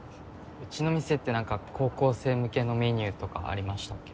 うちの店って何か高校生向けのメニューとかありましたっけ？